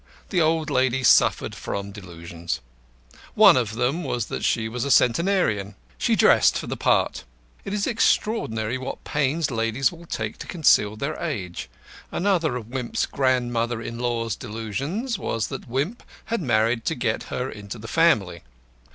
The old lady suffered from delusions. One of them was that she was a centenarian. She dressed for the part. It is extraordinary what pains ladies will take to conceal their age. Another of Wimp's grandmother in law's delusions was that Wimp had married to get her into the family.